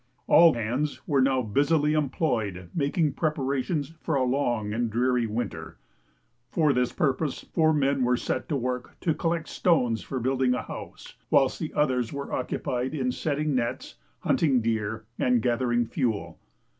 All hands were now busily employed making preparations for a long and dreary winter; for this purpose four men were set to work to collect stones for building a house, whilst the others were occupied in setting nets, hunting deer, and gathering fuel.